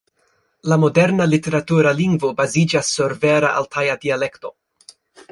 La moderna literatura lingvo baziĝas sur vera altaja dialekto.